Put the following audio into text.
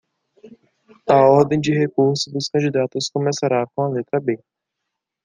A ordem de recurso dos candidatos começará com a letra B.